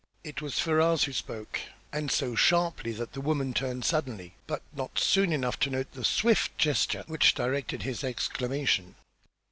It was Ferrars who spoke and so sharply that the woman turned suddenly, but not soon enough to note the swift gesture which directed his exclamation.